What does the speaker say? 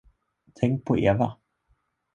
Tänk på Eva.